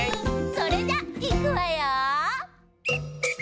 それじゃいくわよ。